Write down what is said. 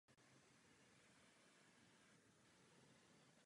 Píseň pochází z jeho čtvrtého alba "Libra Scale".